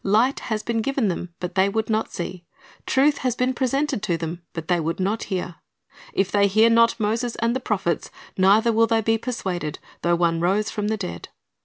Light has been given them, but they would not see; truth has been presented to them, but they would not hear. "If they hear not Moses and the prophets, neither will they be persuaded, though one rose from the dead."